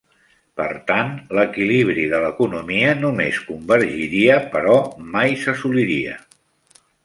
Per tant, l'equilibri de l'economia només convergiria però mai s'assoliria.